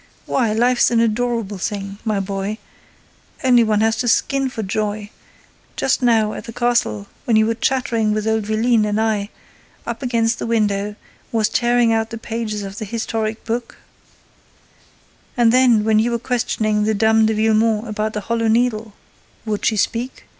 Why, life's an adorable thing, my boy; only one has to know—and I know—. Wasn't it enough to make a man jump out of his skin for joy, just now, at the castle, when you were chattering with old Vélines and I, up against the window, was tearing out the pages of the historic book? And then, when you were questioning the Dame de Villemon about the Hollow Needle! Would she speak?